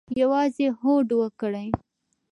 یوازې هوډ وکړئ